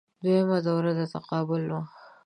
دویمه دوره د تقابل وه